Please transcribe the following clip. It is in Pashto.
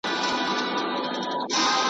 چي ناڅاپه د خوني زمري غړومبی سو .